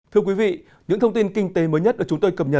thưa quý vị những thông tin kinh tế mới nhất ở chúng tôi